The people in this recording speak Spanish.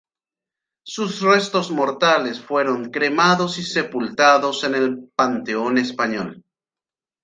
Sus restos mortales fueron cremados y sepultados en el Panteón Español.